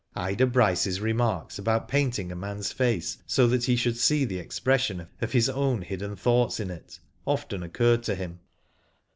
Ida Bryce's remarks about painting a man's face so that he should see the expression of his own hidden thoughts in it, often occurred to him.